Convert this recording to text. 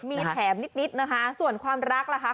มีแถมนิดนะคะส่วนความรักล่ะคะ